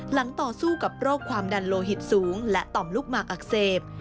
ต่อสู้กับโรคความดันโลหิตสูงและต่อมลูกหมากอักเสบ